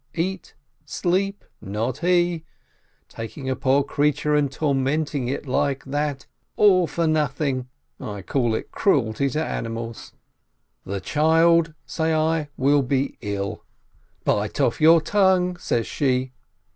Eat? Sleep ? Not he ! Taking a poor creature and tormenting it like that, all for nothing, I call it cruelty to animals ! "The child," say I, "will be ill!" "Bite off your tongue," says she.